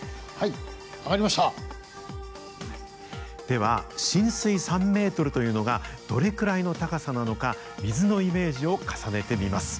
では浸水３ｍというのがどれくらいの高さなのか水のイメージを重ねてみます。